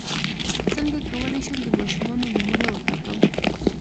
څنګه کولی شم د ماشومانو نومونه وټاکم